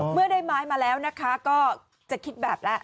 เมื่อได้ไม้มาแล้วนะคะก็จะคิดแบบแล้ว